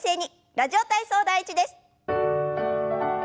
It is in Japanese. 「ラジオ体操第１」です。